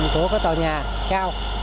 của cái tòa nhà cao